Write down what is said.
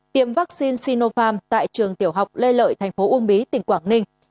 tiêm vaccine sinopharm tại trường tiểu học lê lợi thành phố uông bí tỉnh quảng ninh